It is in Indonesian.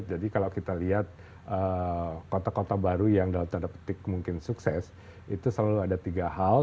jadi kalau kita lihat kota kota baru yang dalam tanda petik mungkin sukses itu selalu ada tiga hal